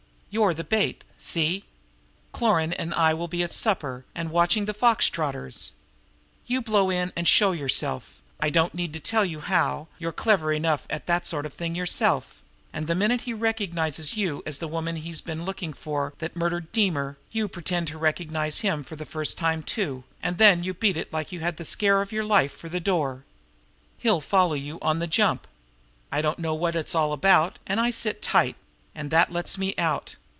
"You're the bait see? Cloran and I will be at supper and watching the fox trotters. You blow in and show yourself I don't need to tell you how, you're clever enough at that sort of thing yourself and the minute he recognizes you as the woman he's been looking for that murdered Deemer, you pretend to recognize him for the first time too, and then you beat it like you had the scare of your life for the door. He'll follow you on the jump. I don't know what it's all about, and I sit tight, and that lets me out.